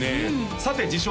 さて自称